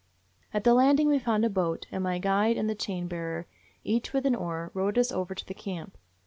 At the landing we found a boat, and my guide and the chain bearer, each with an oar, rowed us over to the camp.